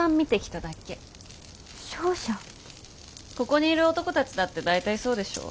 ここにいる男たちだって大体そうでしょ？